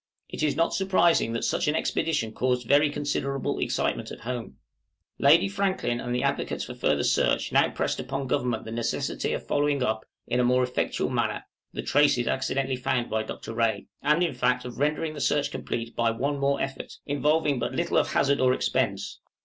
It is not surprising that such an expedition caused very considerable excitement at home. {APR., 1857.} {CAUSE OF DELAY IN EQUIPMENT.} Lady Franklin, and the advocates for further search, now pressed upon government the necessity of following up, in a more effectual manner, the traces accidentally found by Dr. Rae, and, in fact, of rendering the search complete by one more effort, involving but little of hazard or expense.